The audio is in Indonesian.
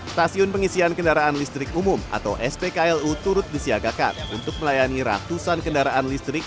stasiun pengisian kendaraan listrik umum atau spklu turut disiagakan untuk melayani ratusan kendaraan listrik